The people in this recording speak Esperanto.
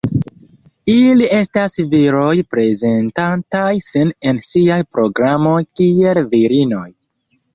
Ili estas viroj prezentantaj sin en siaj programoj kiel virinoj.